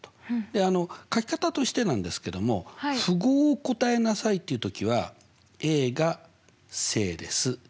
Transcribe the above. であの書き方としてなんですけども「符号を答えなさい」っていう時はが正です